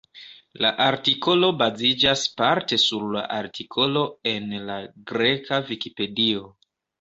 La artikolo baziĝas parte sur la artikolo en la greka Vikipedio.